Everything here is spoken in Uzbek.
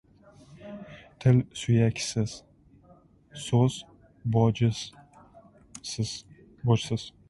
• Til suyaksiz, so‘z bojsiz.